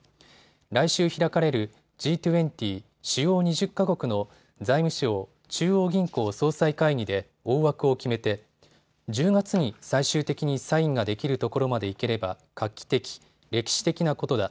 来週開かれるＧ２０・主要２０か国の財務相中央銀行総裁会議で大枠を決めて１０月に最終的にサインができるところまでいければ画期的、歴史的なことだ。